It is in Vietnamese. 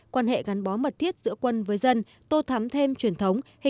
quan hệ gắn bó mật thiết giữa quân với dân tô thắm thêm truyền thống